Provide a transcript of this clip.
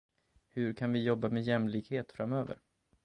Hur kan vi jobba med jämlikhet framöver?